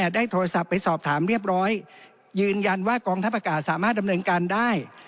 ได้โทรศัพท์ไปสอบถามเรียบร้อยยืนยันว่ากองทัพอากาศสามารถดำเนินการได้